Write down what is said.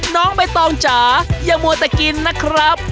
น้องใบตองจ๋าอย่ามัวแต่กินนะครับ